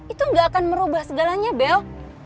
itu gak akan merubah segalanya bel